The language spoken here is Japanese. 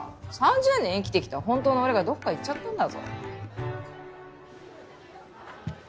３０年生きてきたホントの俺がどっか行っちゃったんだぞ？